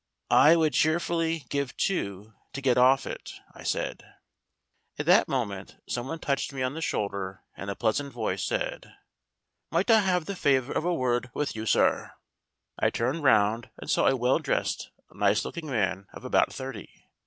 "I would cheerfully give two to get off it," I said. At that moment someone touched me on the shoul der, and a pleasant voice said : "Might I have the favor of a word with you, sir?" 194 STORIES WITHOUT TEARS I turned round and saw a well dressed, nice looking man of about thirty.